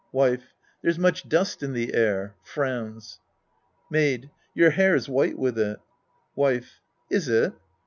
Wife. There's much dust in the air. {FroTf/ns.) Maid. Your hair's white with it. IVife. Is it